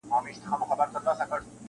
کله کله به یادیږي زما بوډۍ کیسې نیمګړي-